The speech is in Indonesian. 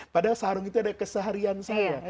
padahal sarung itu ada keseharian saya